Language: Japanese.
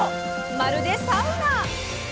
まるでサウナ！